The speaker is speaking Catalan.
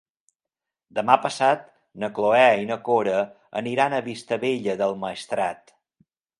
Demà passat na Cloè i na Cora aniran a Vistabella del Maestrat.